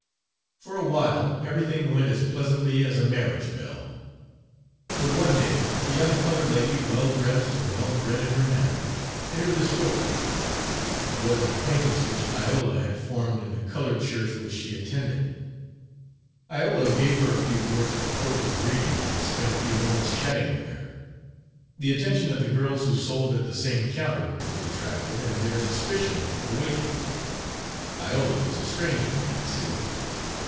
For awhile everything went as pleasantly as a marriage bell. But one day a young colored lady, well dressed and well bred in her manner, entered the store. It was an acquaintance which Iola had formed in the colored church which she attended. Iola gave her a few words of cordial greeting, and spent a few moments chatting with her. The attention of the girls who sold at the same counter was attracted, and their suspicion awakened. Iola was a stranger in that city.